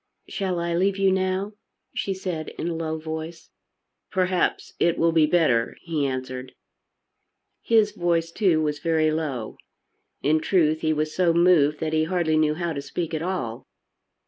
"Shall I leave you now?" she said in a low voice. "Perhaps it will be better," he answered. His voice, too, was very low. In truth he was so moved that he hardly knew how to speak at all.